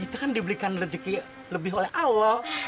itu kan dibelikan rejeki lebih oleh allah